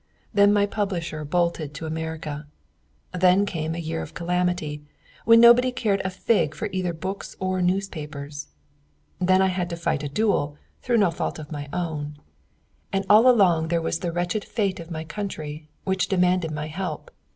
Then my publisher bolted to America; then came a year of calamity, when nobody cared a fig for either books or newspapers; then I had to fight a duel through no fault of my own; and all along there was the wretched fate of my country, which demanded my help.